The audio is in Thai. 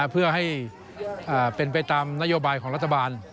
เพื่อให้เป็นไปตามนโยบายของรัฐบาล